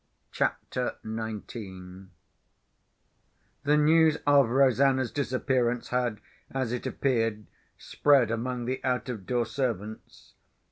CHAPTER XIX The news of Rosanna's disappearance had, as it appeared, spread among the out of door servants.